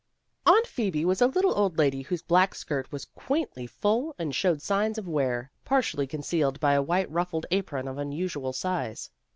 Aunt Phoebe was a little old lady whose black skirt was quaintly full and showed signs of wear, partially concealed by a white ruffled apron of unusual size.